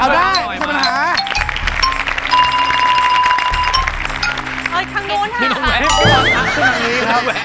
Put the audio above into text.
พี่น้องแวทขึ้นทางนี้ครับ